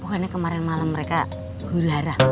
bukannya kemarin malem mereka gulara